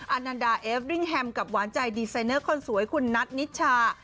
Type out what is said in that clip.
อันนันดาเอฟริ่งแฮมกับหวานใจดีไซเนอร์คนสวยคุณนัทนิชชา